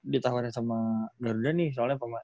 ditawarin sama garuda nih soalnya pemain